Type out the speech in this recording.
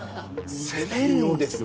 攻めるんですね。